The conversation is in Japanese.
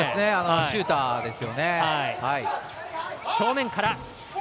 シューターですよね。